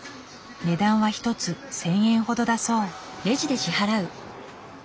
値段は一つ１，０００円ほどだそう。